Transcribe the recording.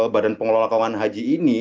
badan pengelola keuangan haji ini